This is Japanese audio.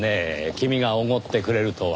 君がおごってくれるとは。